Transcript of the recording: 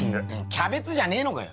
キャベツじゃねえのかよ！